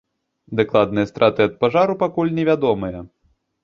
Дакладныя страты ад пажару пакуль невядомыя.